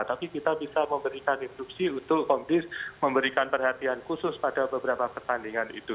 tapi kita bisa memberikan instruksi untuk komdis memberikan perhatian khusus pada beberapa pertandingan itu